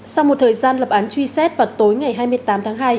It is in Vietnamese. sau một thời gian lập án truy xét vào tối ngày hai mươi tám tháng hai